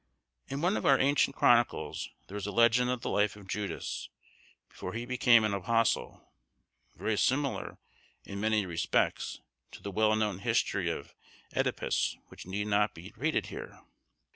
In one of our ancient chronicles there is a legend of the life of Judas, before he became an apostle, very similar, in many respects, to the well known history of Œdipus, which need not be repeated here.